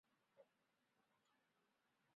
大部份蚁鸟的喙都相对较大及重型。